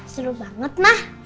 seru banget mah